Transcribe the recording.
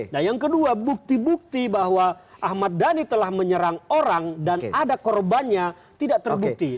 nah yang kedua bukti bukti bahwa ahmad dhani telah menyerang orang dan ada korbannya tidak terbukti